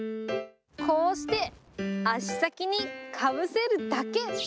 こうして足先にかぶせるだけ。